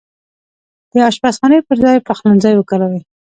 د اشپزخانې پرځاي پخلنځای وکاروئ